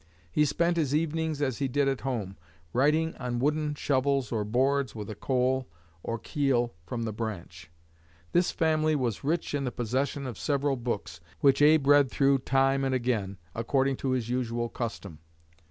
He spent his evenings as he did at home, writing on wooden shovels or boards with 'a coal, or keel, from the branch.' This family was rich in the possession of several books, which Abe read through time and again, according to his usual custom.